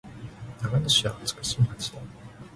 長野市は美しい街だ。